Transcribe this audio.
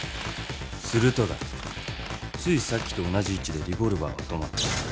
するとだついさっきと同じ位置でレボルバーは止まった。